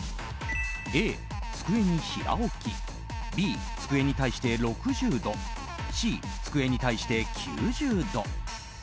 Ａ、机に平置きＢ、机に対して６０度Ｃ、机に対して９０度。